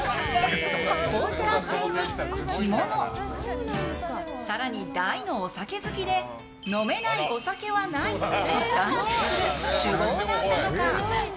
スポーツ観戦に、着物更に大のお酒好きで飲めないお酒はない！と断言する酒豪なんだとか。